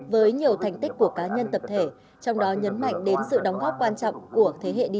với nhiều thành tích của cá nhân tập thể trong đó nhấn mạnh đến sự đóng góp quan trọng của thế hệ đi